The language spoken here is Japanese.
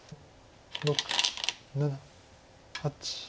６７８。